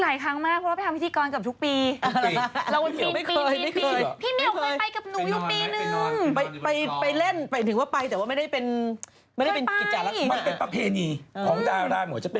หลายครั้งมากเพราะว่าไปทำพิธีกรเกือบทุกปี